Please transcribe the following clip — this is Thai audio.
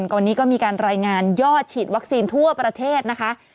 วันนี้ก็มีการรายงานยอดฉีดวัคซีนทั่วประเทศนะคะ